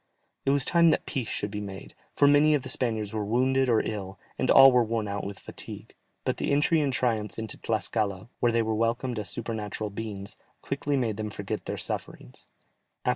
It was time that peace should be made, for many of the Spaniards were wounded or ill, and all were worn out with fatigue, but the entry in triumph into Tlascala, where they were welcomed as supernatural beings, quickly made them forget their sufferings.